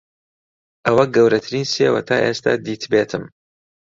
ئەوە گەورەترین سێوە تا ئێستا دیتبێتم.